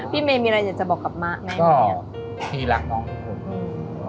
พี่เมย์มีอะไรอยากจะบอกกับมะแม่เมย์ก็พี่รักน้องทุกคน